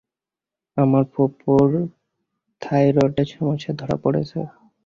আমার ফুফুর থায়রয়েডের সমস্যা ধরা পরেছে।